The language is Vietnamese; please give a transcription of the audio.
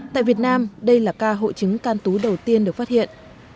tại việt nam đây là ca hội chứng can tú đầu tiên được phát hiện